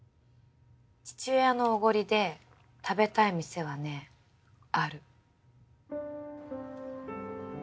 父親のおごりで食べたい店はねある。